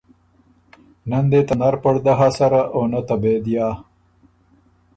نۀ ن دې ته نر پړدۀ هۀ سره او نۀ ته بېدیا۔